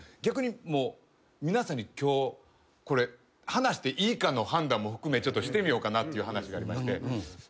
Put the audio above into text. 逆に皆さんに今日これ話していいかの判断も含めしてみようかなっていう話がありまして。